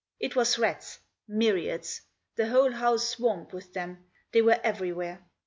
It was rats — myriads. The whole house swarmed with them ; they were every where.